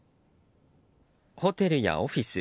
ホテルやオフィス